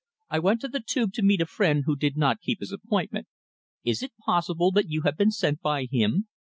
"I went to the Tube to meet a friend who did not keep his appointment. Is it possible that you have been sent by him?